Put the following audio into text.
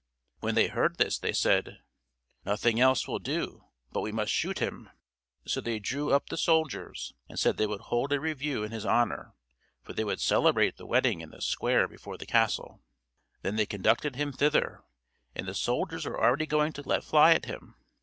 When they heard this, they said: "Nothing else will do but we must shoot him." So they drew up the soldiers, and said they would hold a review in his honour, for they would celebrate the wedding in the square before the castle. Then they conducted him thither, and the soldiers were already going to let fly at him.